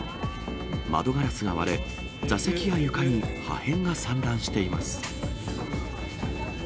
窓ガラスが割れ、座席や床に破片が散乱しています。